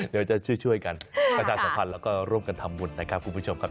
เดี๋ยวจะช่วยกันประชาสัมพันธ์แล้วก็ร่วมกันทำบุญนะครับคุณผู้ชมครับ